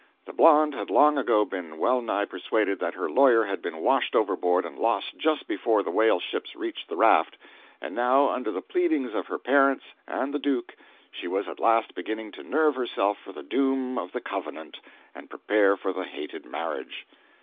The blonde had long ago been well nigh persuaded that her lawyer had been washed overboard and lost just before the whale ships reached the raft, and now, under the pleadings of her parents and the Duke she was at last beginning to nerve herself for the doom of the covenant, and prepare for the hated marriage.